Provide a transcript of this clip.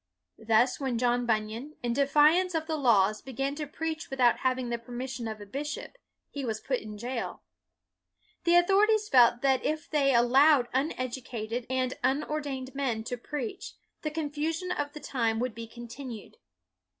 Thus when John Bunyan, in defiance of the laws, began to preach without having the permission of a bishop, he was put in jail. The authorities felt that if they al lowed uneducated and unordained men to preach, the confusion of the time would be continued.